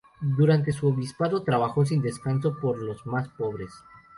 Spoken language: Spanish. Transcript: Durante su obispado, trabajó sin descanso por los más pobres.